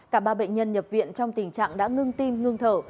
cả ba bệnh nhân nhập viện trong tình trạng đã ngưng tim ngưng thở